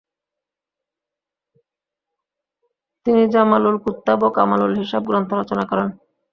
তিনি জামালুল কুত্তাব ও কামালুল হিসাব গ্রন্থ রচনা করেন।